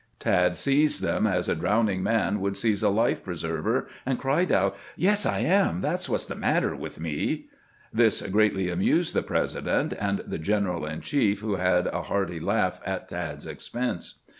Tad seized them as a drowning man would seize a life preserver, and cried out :" Yes, I am ; that 's what 's the matter with me." This greatly 452 CAMPAIGNING WITH GRANT amused the President and the general in chief, who had a hearty laugh at Tad's expense.